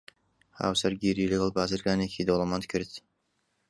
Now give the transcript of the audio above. هاوسەرگیریی لەگەڵ بازرگانێکی دەوڵەمەند کرد.